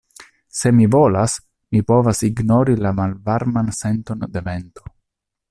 Se mi volas, mi povas ignori la malvarman senton de vento.